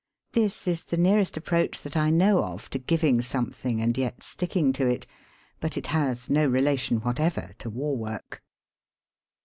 This is the nearest ap proach, that I know of, to giving something and yet sticking to it; but it has no relation what ever to war work.